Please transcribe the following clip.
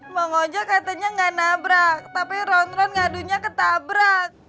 bang ojak katanya gak nabrak tapi ron ron ngadunya ketabrak